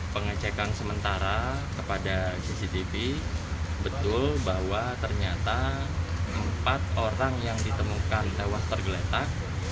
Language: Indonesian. pengecekan sementara kepada cctv betul bahwa ternyata empat orang yang ditemukan tewas tergeletak